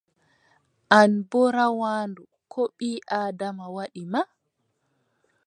An boo rawaandu, ko ɓii-Aadama waɗi ma?